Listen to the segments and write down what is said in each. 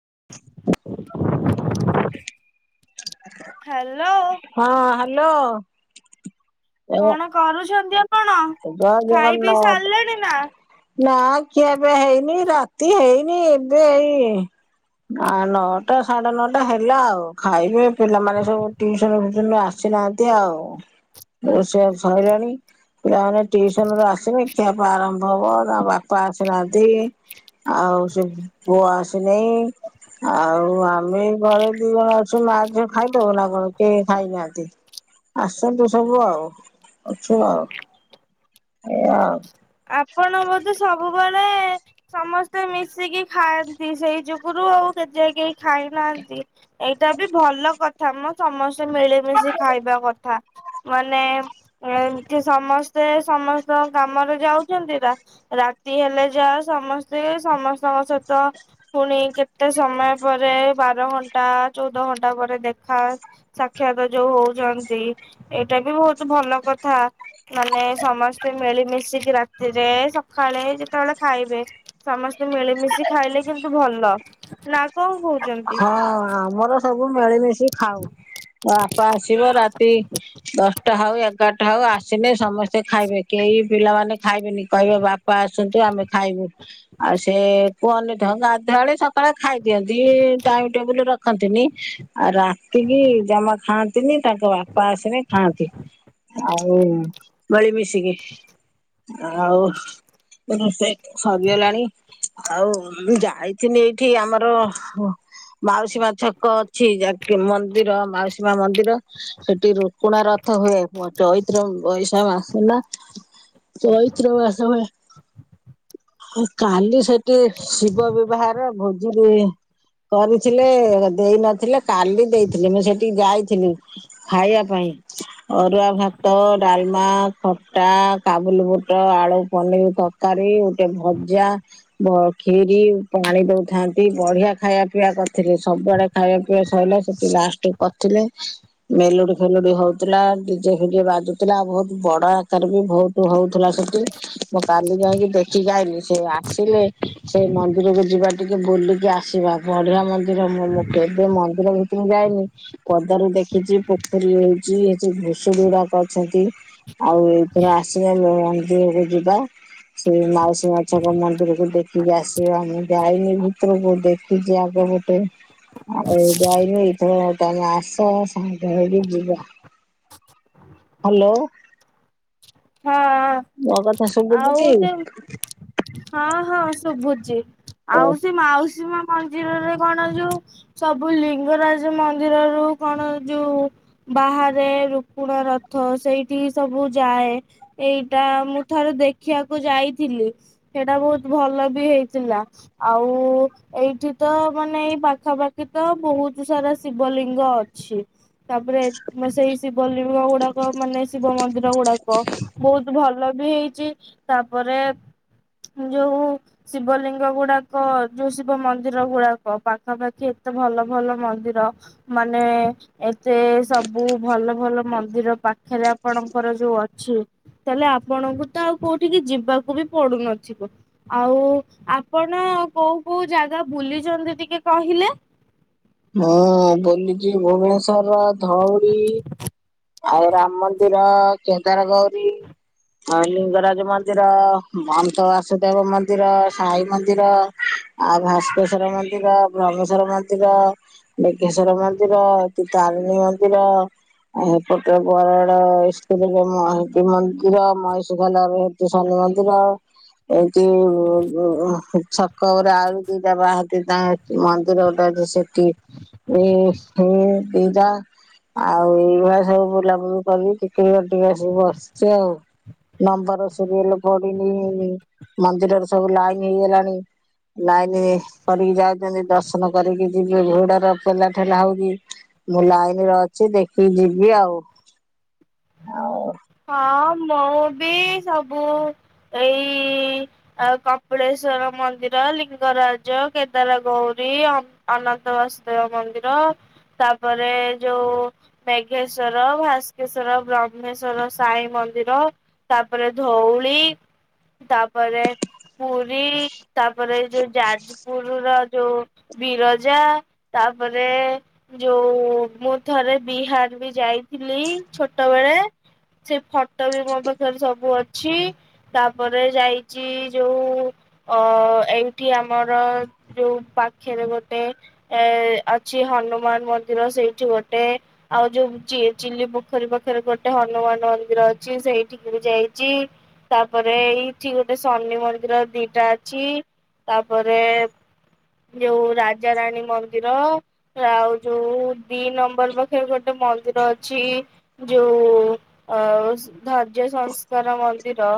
[inaudible] Hello. ହଁ hello. କଣ କରୁଛନ୍ତି ଆ ଜା ନା? ଜଗନ୍ନାଥ ନା କ ଏବେ ହେଇନି ରାତି ହେଇନି ଏବେ ହେଇ ନଅଟା ସାଢେ ନଅଟା ହେଲା ଆଉ ଖାଇବେ ପିଲାମାନେ ସବୁ ଟସନ ଫସନ ଆସେ କି ନାହାନ୍ତି ଆଉ ସେ ସରିଲାଣି ପିଲାମାନେ ଟିଉସନ ରୁ ଆସିବେ ଶିକ୍ଷାପ ଆରମ୍ଭ ହବ ତା ବାପା ଆସିନାହାନ୍ତି। ଆଉ ସେ ପୁଅ ଆସିନହି ଆଉ ଆମେ ଘରେ ଦି ଜଣ ଅଛୁ ମା ଝିଆ ଖାଇଦଉ ନା କଣ କେ ଖାଇ ନାନ୍ତି। ଆସନ୍ତୁ ସବୁ ଆଉ ଅଛୁ ଆଉ ଏାଉ ଆପଣ ବୋଧେ ସବୁବେଳେ ସମସ୍ତେ ମିଶିକି ଖାଆନ୍ତି ସେଇ ଯୁଗରୁ ଆଉ କେ କେହି ଖାଇନାହାନ୍ତି। ଏଇଟା ବି ଭଲ କଥା ମୋ ସମସ୍ତେ ମିଳିମିଶି ଖାଇବା କଥା। ମାନେ ଏମିତି ସମସ୍ତେ ସମସ୍ତ କାମରେ ଯାଉଛନ୍ତି ତା ରାତି ହେଲେ ଯା ସମସ୍ତେ ସମସ୍ତଙ୍କ ସହିତ ପୁଣି କେତେ ସମୟ ପରେ ବାର ଘଣ୍ଟା ଚଉଦ ଘଣ୍ଟା ପରେ ଦେଖା ସାକ୍ଷ ବିଖତ ଯୋଉ ହଉଛନ୍ତି ଏଇଟା ବି ବହୁତ ଭଲ କଥା ମାନେ ସମସ୍ତେ ମିଳିମିଶିକି କି ରାତିରେ ସକାଳେ ଯେତେବେଳେ ଖାଇବେ ସମସ୍ତେ ମିଳିମିଶି ଖାଇଲେ କିନ୍ତୁ ଭଲ। [inaudible] କହୁଛନ୍ତି? ହଁ ଆମର ସବୁ ମିଳିମିଶି ଖାଉ ବାପ ଆସିବ ରାତି ଦଶଟା ହଉ ଏଗାରଟା ହଉ ଆସ ସନେ ସମସ୍ତେ ଖାଇବେ କେଇ ପିଲାମାନେ ଖାଇବେନି କହିବ ବାପା ଆସନ୍ତୁ ଆମେ ଖାଇବୁ ଆଉ ସେ କୁହନି ଢଙ୍ଗା ଅଧ୍ୟା ବଳେ ସକା ଳେ ଖାଇଦିଅନ୍ତି ଟାଇମ ଟେବୁଲ ରଖନ୍ତିନି ଆଉ ରାତିକି ଜମା ଖାଆନ୍ତିନି ତାଙ୍କ ବାପା ଆସିଲେ ଖାଆନ୍ତି। ହଉ ବଳି ମିଶିକି ଆଉ ରୋେ ସରିିଗଲାଣି [inaudible] ଆଉ ଯାଇଥିନି ଏଇଠି ଆମର ମାଉସୀମା ଛକ ଅଛି ଯ ମନ୍ଦିର ମାଉସୀ ମା ମନ୍ଦିର ସେଠି ରୁକୁଣା ରଥ ହୁଏ ଚୈତ୍ର ବୈଶାମ ହେଲା ତଇିତ୍ରସ ମାସ ରେ କାଲି ସେଠି ଶିବ ବିବାହ ଭୋଜିରୁହେ। କରିଥିଲେ ଦେଇ ନଥିଲେ କାଲି ଦେଇଥିଲି ମୁଁ ସେଠିକି ଯାଇଥିଲି ଖାଇବା ପାଇଁ। ଅରୁଆ ଭାତ, ଡାଲମା, ଖଟା, କାବୁଲି ବୁଟ, ଆଳୁ, ପନିର ତରକାରୀ ଗୋଟେ ଭଜା କ୍ଷୀରି ପାଣି ଦଉଥାନ୍ତି ବଢିଆ ଖାଇବା ପିବା କରିଥିଲେି ସବୁଆଡେ ଖାଇବା ପିଇବା ସରଲା ସେଠି ଲାଷ୍ଟ କରିଥିଲେ ମେଲୋଡି ଫେଲୁଡି ହଉ ଥିଲା ଜେ ଫଜେ ବାଜୁଥିଲାଉ ବହୁତ ବଡ ଆକାର ବି ବହୁତ ହଉଥିଲା ସେଠି ମୋ କାଲି ଯାଇକି ଦେଖିକି ଆଇଲି ସେ ଆସିଲେ ସେ ମନ୍ଦିରକୁ ଯିବା ଟିକେ ବୁଲିକି ଆସିବା ବଢିଆ ମନ୍ଦିର ମୁଁ ମୁଁ କେବେ ମନ୍ଦିର ଭିତକୁ ଯାଇଏନି ପଦାରୁଦେଖିଛି ପୋଖରୀ ଯ ଘୁଷୁ ଗୁଡା କରିଛନ୍ତି। ଆଉ ଏଇଥର ଆସିଲ ମନ୍ଦିରକୁ ଯିବା। ସେ ମାଉସୀ ମାଛଙ୍କ ମନ୍ଦିରକୁ ଦେଖିକି ଆସିବା ଆମେ ଯାଇନି ଭିତରକୁ ଦେଖି ପଜ ଆଗ ଗୋଟେ [inaudible] ଆଉ ଏଇ ଯାଇନି ଏଇଥର ତମେ ଆସ ସାଙ୍ଗହୋଇ କି ଯିବା। ହାଲୋ। ହଁ ଆଉ ସେ ହଁ ହଁ ଶୁଭୁଛି ଆଉ ସେ ମାଉସୀ ମା ମନ୍ଦିରରେ କଣ ଯୋଉ ସବୁ ଲିଙ୍ଗରାଜ ମନ୍ଦିର ରୁ କଣ ଯୋଉ ବାହାରେ ରୁକୁଣ ରଥ ସେଇଠି ସବୁ ଯାଏ। ଏଇଟା ମୁଁ ଥାରେ ଦେଖିବାକୁ ଯାଇଥିଲି ସେଇଟା ବହୁତ ଭଲ ବି ହେଇଥିଲା। ଆଉ ଏଇଠି ତ ମାନେ ଏଇ ପାଖାପାଖି ତ ବହୁତ ସାରା ଶିବ ଲିଙ୍ଗ। ଅଛି ତାପରେ ସେଇ ଶିବଲିିଙ୍ଗ ଗୁଡାକ ମାନେ ଶିବ ମନ୍ଦିର ଗୁଡାକ ବ ବହୁତ ଭଲ ବି ହେଇଛି ତାପରେ ଯୋଉ ଶିବଲିଙ୍ଗ ଗୁଡାକ ଯୋଉ ଶିବ ମନ୍ଦିର ଗୁଡାକ ପାଖାପାଖି ଏତେ ଭଲ ଭଲ ମନ୍ଦିର ମାନେ ଏ ସେ ସବୁ ଭଲ ଭଲ ମନ୍ଦିର ପାଖରେ ଆପଣଙ୍କର ଯୋଉ ଅ ଛି ତାହେଲେ ଆପଣଙ୍କୁ ତ ଆଉ କୋଉଠିକି ଯିବାକୁ ବି ପଡୁନଥିବ ଆଉ ଆ ଆପଣ କୋଉ କୋଉ ଜାଗା ବୁଲିଛନ୍ତି ଟିକେ କହିଲେ? ହଁ ବଲୁଚି ଭୁବନେଶ୍ୱର ଧଉଲି ଆଉ ରାମ ମନ୍ଦିର କେଦାର ଗୌରୀ। ଆଉ ଲିଙ୍ଗରାଜ ମନ୍ଦିର ମନ୍ତ ବାସୁଦେବ ମନ୍ଦିର ସାଇ ମନ୍ଦିର। ଆଉ ଭାସ୍କେଶ୍ଵର ମନ୍ଦିର ଭ୍ରମେଶ୍ଵର ମନ୍ଦିର କେଶ୍ଵର ମନ୍ଦିର ତୁତା। କାରଣୀ ମନ୍ଦିର। ଏପଟେ ବରାଡ ଈଷ୍ଟ ଦେବୀ ମହାନ୍ତି ମନ୍ଦିର ମଇଷିପଲା ଶନି ମନ ଦିନେ ଏଠି ଛକରେ ଆଳୁ ଦିଟା ବାହାରିଥିଲା କି ମନ୍ଦିର ଗୋଟେ ସେଠି ଏ ଏ ଏଇ ଦିଟା ଆଉ ସବୁ ବୁଲାବୁଲି କରି ଟିକିିରି ହାରଠୀ ଆସିକି ବସିଛି ଆଉ ନମ୍ବର ସିରିଏଲ ପଡିିନି ମନ୍ଦିରରେ ସବୁ ଲାଇନ ହେଇଗଲାଣି। ଲାଇନ କରିକି ଯାଉଛନ୍ତି ଦର୍ଶନ କରିକି ଯିବେ ଭିଡର ପଲା ଠେଲା ହଉଛି। ମୁଁ ଲାଇନୀରେ ଅଛି ଦେଖିକି ଯିବି ଆଉ ଆଉ ହଁ ମୁଁ ବି ସବୁ ଏଇ ଆଉ କପିଳେଶ ର ମନ୍ଦିର ଲିଙ୍ଗରାଜ କେଦାର ଗୌରୀ ଅ ଅନନ୍ତ ବାସୁଦେବ ମନ୍ଦିର ତାପରେ ଯୋଉ ମେଘେଶ୍ଵର ଭାସ୍କେଶ୍ଵର ବ୍ରହ୍ମେଶ୍ଵର ସାଇ ମନ୍ଦିର ତାପରେ ଧଉଳି ତାପରେ ପୁରୀ ତାପରେ ଯୋଉ ଯାଜପୁର ର ଯୋଉ ବିରଜା ତାପରେ ଯୋଉ ମୁଁ ଥରେ ବିହାର ବି ଯାଇଥିଲି ଛୋଟବେେଳେ ସେ ଫଟ ବି ମୋ ପାଖରେ ସବୁ ଅଛି ତାପରେ ଯାଇଛି ଯୋଉ ଅ ଏଇଠି ଆମର ଯୋଉ ପାଖରେ ଗୋଟେ ଏ ଅଛି ହନୁମାନ ମନ୍ଦିର ସେଇଠି ଗୋଟେ ଆଉ ଯୋଉ ଚି ଚିଲି ପୋଖରୀ ପାଖରେ ଗୋଟେ ହନୁମାନ ମନ୍ଦିର ଅଛି ସେଇଠିକିବି ଯାଇଛି ତାପରେ ଏଇଠି ଗୋଟେ ଶନି ମନ୍ଦିର ଦିଟା ଅଛି ତାପରେ ଯୋଉ ରାଜାରାଣୀ ମନ୍ଦିର ଆଉ ଯୋଉ ଦି ନମ୍ବର ପାଖରେ ଗୋଟେ ମନ୍ଦିର ଅଛି ଯୋଉ ଅ ଧର୍ଯ୍ୟ ସଂସ୍କାର ମନ୍ଦିର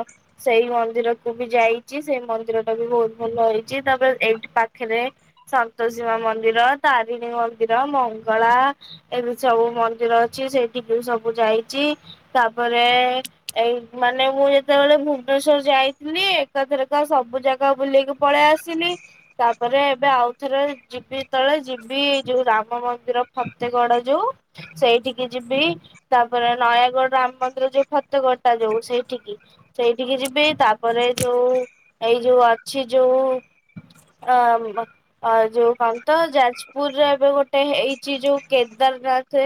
ସେଇ ମନ୍ଦିର କୁ ବି ଯାଇଛି ସେଇ ମନ୍ଦିର ଟା ବି ବହୁତ ଭଲ ହେଇଛି ତାପରେ ଏଇଠି ପା ପାଖରେ ସନ୍ତୋଷୀମା ମନ୍ଦିର ତାରିଣୀ ମନ୍ଦିର ମଙ୍ଗଳା ଏବେ ସବୁ ମନ୍ଦିର ଅଛି ସେଇଠିକି ବି ସବୁ ଯାଇଛି ତାପରେ ଏଇ ମାନେ ମୁଁ ଯେତେ ଯେତେବେଳେ ଭୁବନେଶ୍ଵର ଯାଇଥିଲି ଏକାଥରକ ସବୁ ଜାଗା ବୁଲିକି ପଲେଇ ଆସିଲି। ତାପରେ ଏବେ ଆଉ ଥରେ ଯିବି ତଳେ ଯିବି ଯୋଉ ରାମ ମନ୍ଦିର ଫତେଗଡ ଯୋଉ ସେଇଠିକି ଯିବି ତାପରେ ନୟାଗଡ ରାମ ମନ୍ଦିର ଯୋଉ ଫତେଗଡ ଟା ଯୋଉ ସେଇଠିକି ସେଇଠିକି ଯିବି ତାପରେ ଯୋଉ ଏଇ ଯୋଉ ଅଛି ଯୋଉ ଆ ଆ ଯୋଉ କଣ ତ ଯାଜପୁରରେ ଏବେ ଗୋଟେ ହେଇଛି ଯୋଉ କେଦାରନା ଥ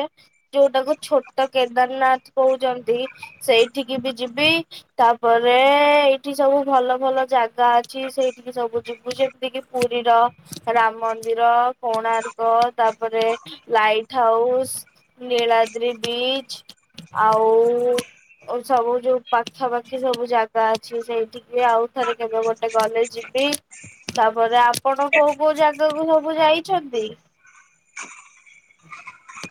ଯୋଉଟାକୁ ଛୋଟ କେଦାରନାଥ କହୁଛନ୍ତି ସେଇଠିକି ବି ଯିବି। ତାପରେ ଏଇଠି ସବୁ ଭଲ ଭଲ ଜାଗା ଅଛି ସେଇଠିକି ସବୁ ଯିବୁ ଯେ ଯେତି କିି ପୁରୀର ରାମ ମନ୍ଦିର କୋଣାର୍କ ତାପରେ ଲାଇଟ ହାଉ ସ୍ ନୀଳାଦ୍ରୀ ବିଚ ଆଉ ସବୁ ଯୋଉ ପାଖାପାଖି ସବୁ ଜାଗା ଅଛି ସେଇଠିକ ବି ଆଉ ଥରେ କେବେ ଗୋଟେ ଗଲେ ଜି ବି ତାପରେ ଆପଣ କୋଉ କୋଉ ଜାଗାକୁ ସବୁ ଯାଇଛନ୍ତି? [unintelligible]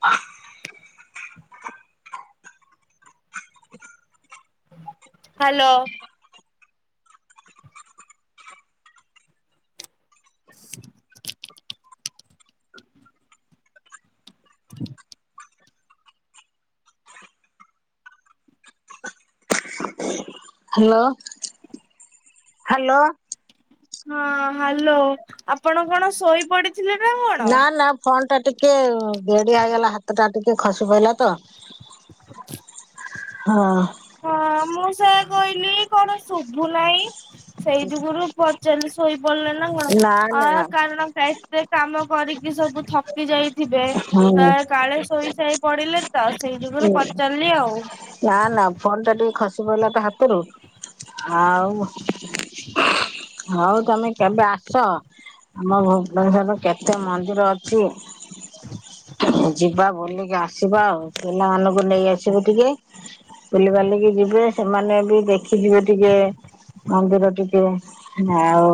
ହାଲୋ, [inaudible] [inaudible] ହାଲୋ ହାଲୋ, ହଁ ହାଲୋ ଆପଣ କଣ ଶୋଇ ପଡିଥିଲେ ନା କଣ? ନା ଫୋନ ଟା ଟିକେ ବେଡିଆଇଗଲା ହାତ ଟା ଟିକେ ଖସି ପଇଲା ତ। [inaudible] ହଁ, ହଁ ମୁଁ ସେ କହିଲି କଣ ଶୁଭୁ ନାହିଁ। ସେଇ ଯୁଗରୁ ପଚାରିଲି ଶୋଇପଡିଲେ ନା କଣ ଆ କାରଣ ସେ କାମ କରିକି ସବୁ ଥକି ଯାଇଥିବେ ହୁଁ କାଳେ ଶୋଇସାଇ ପଡିଲେ। ତ ସେଇ ଯୁଗରୁ ପଚାରିଲି ଆଉ। ନା ନା ଫୋନ ଟା ଟିକେ ଖସି ପଡ଼ିଲା ତ ହାତରୁ ଆଉ ହଉ ତମେ କେବେ ଆସ। ଆମ ଭୁବନେଶ୍ୱରରେ କେତେ ମନ୍ଦିର ଅଛି। ଯିବା ବୁଲିକି ଆସିବା ଆଉ। ପିଲାମାନଙ୍କୁ ନେଇ ଆସିବେ ଟିକେ ବୁଲିବାଲିକି ଯିବେ ସେମାନେ ବି ଦେଖିଯିବେ ଟିକେ। ମନ୍ଦିର ଟିକେ ଆଉ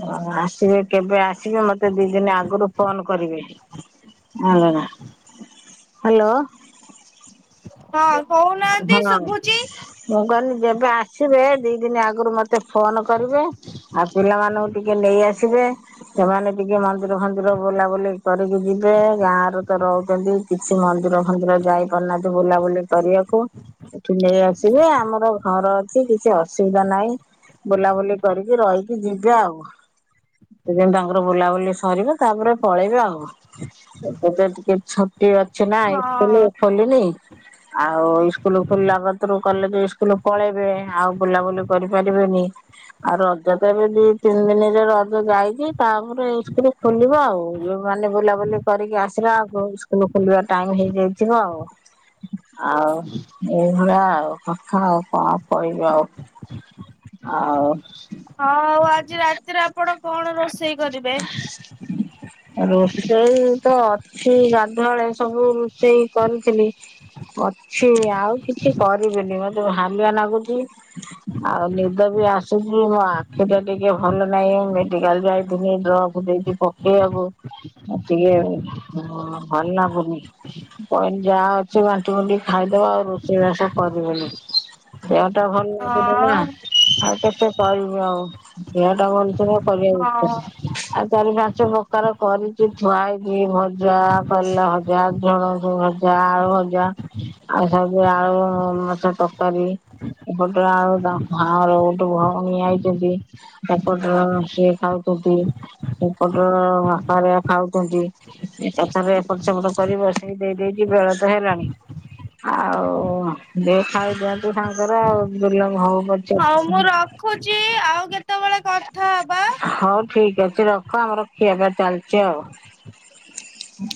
ଓ ଆସିବେ କେବେ ଆସିବେ ମତେ ଦି ଦିନ ଆଗରୁ ଫୋନ କରିବେ। ହାଲୋ। ହଁ କହୁନାହାନ୍ତି ହଁ ଶୁଭୁଚି। ମୁଁ କହିଲି ଯେବେ ଆସିବେ ଦି ଦିନ ଆଗରୁ ମତେ ଫୋନ କରିବେ ଆଉ ପିଲାମାନଙ୍କୁ ଟିକେ ନେଇ ଆସିବେ। ସେମାନେ ଟିକେ ମନ୍ଦିର ଫନ୍ଦିର ବୁଲାବୁଲି କରିକି ଯିବେ ଗାଁ ରେ ତ ରହୁଛନ୍ତିି। ସେ ମନ୍ଦିର ଫନ୍ଦିର ଯାଇ ପାରୁନାହାନ୍ତି ବୁଲାବୁଲି କରିବାକୁ ଏଠି ନେଇ ଆସିବେ ଆମର ଘର ଅଛି କିଛି ଅସୁବିଧା ନାହିଁ। ବୁଲାବୁଲି କରିକି ରହିକି ଯିବେ ଆଉ। ସେଦିନ ତାଙ୍କର ବୁଲାବୁଲି ସରିବ ତାପରେ ପଳେଇବେ ଆଉ। ଏବେ ଟିକେ ଛୁଟି ଅଛି ନା ହଁ ସ୍କୁଲ ଖୋଲିନି। ଆଉ ଇସ୍କୁଲ ଖୋଲିଲା କତରୁ କଲେଜ ଇସ୍କୁଲ ପଳେଇବେ ଆଉ ବୁଲାବୁଲି କରିପାରିବେନି। ଆଉ ରଜ ତ ଏବେ ଦି ତିନି ଦିନରେ ରଜ ଯାଇଛି, ତାପରେ ଏଇ ଇସ୍କୁଲ ଖୋଲିବ ଆଉ। ମାନେ ବୁଲାବୁଲି କରିକି ଆସିଲା ଏକୁ ଇସ୍କୁଲ ଖୋଲିବା ଟାଇମ ହେଇଯାଇଥିବ ଆଉ। ଆଉ ଏଇଭଳିଆ ଆଉ ହଁ କଣ କହିବି ଆଉ। ଆଉ ହଁ ଆଉ ଆଜି ରାତିରେ ଆପଣ କଣ ରୋଷେଇ କରିବେ? ରୋଷେଇ ତ ଅଛି ଗାଧୁଆଳେ ସବୁ ରୋଷେଇ କରିଥିଲି। ଅଛି ଆଉ କିଛି କରିବିନି ମତେ ହାଲିଆ ଲାଗୁଛି ଆଉ ନିଦ ବି ଆସୁଛି ମୋ ଆଖି ଟା ଟିକେ ଭଲ ନାହିଁ। ମେଡିକାଲ ଯାଇଥିଲି ଡ୍ରପ ଦେଇଛି ପକେଇ ଟିକେ ଭଲ ଲାଗୁନି କହିଲି ଯାଅ ବାଣ୍ଟି ବୁଣ୍ଟି ଖାଇଦବା ଆଉ ରୋଷେଇବାସ କରିବିନି। [inaudible] ହଁ ଆଉ କେତେ କରିବି ଆଉ ଦେହ ଟା ଭଲ ଥିବ ହଁ [inaudible] ଆଉ ଚାରି ପାଞ୍ଚ ପ୍ରକାର କରିଛି ଛୁଆଇଭି ଭଜା, କଲରା ଭଜା ଝୁଣଗ ଭଜା ଆଳୁ ଭଜା ଆଉ ସବୁ ଆଳୁ ମାଛ ତରକାରୀ। ଏପଟରେ ଆଉାଁର ଗୋଟେ ଭଉଣୀ ଆଇଛନ୍ତି। ତାପରସେ ଖାାଉକଦି [inaudible] ଖାଉଛନ୍ତି ପଛରେ ଏପଟ ସେପଟ କରିବ ସେ ଦେଇ ଦେଇ ବେଳ ତ ହେଲାଣି ଆଉ ଦେଉ ଖାଇଦିଅନ୍ତୁ ସାଙ୍ଗରେ ଆଉ ବୁଲମ ହଉ ପଛେ ହଁ ମୁଁ ରଖୁଛି ଆଉ କେତେ ହ ଠିକ ଅଛି ରଖ ଆମର ଖିଆ ପିଆ ଚାଲିଛି ଆଉ।